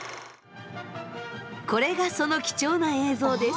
これがその貴重な映像です。